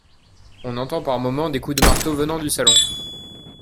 On entend par moment des coups de marteau venant du salon.